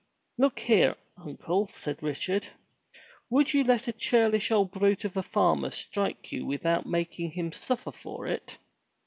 "Look here, uncle," said Richard. "Would you let a churlish old brute of a farmer strike you without making him suffer for it?"